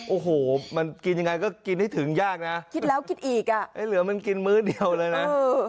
โอ้โหมันกินยังไงก็กินให้ถึงยากนะคิดแล้วคิดอีกอ่ะไอ้เหลือมันกินมื้อเดียวเลยนะ